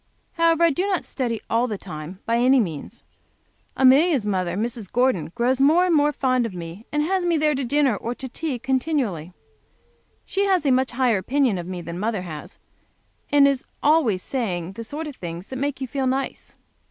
However, I do not study all the time, by any means. Mrs. Gordon grows more and more fond of me, and has me there to dinner or to tea continually. She has a much higher opinion of me than mother has, and is always saying the sort of things that make you feel nice.